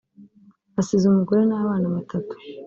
Asize umugore n’abana batatu